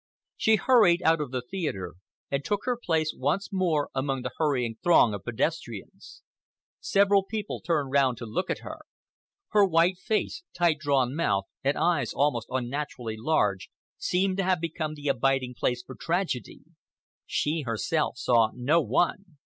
She hurried out of the theatre and took her place once more among the hurrying throng of pedestrians. Several people turned round to look at her. Her white face, tight drawn mouth, and eyes almost unnaturally large, seemed to have become the abiding place for tragedy. She herself saw no one.